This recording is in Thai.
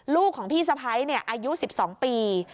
ลูกของพี่สะพ้ายอายุ๑๒ปี